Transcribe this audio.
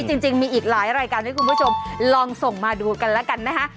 จริงมีอีกหลายรายการให้คุณผู้ชมลองส่งมาดูกันแล้วกันนะคะ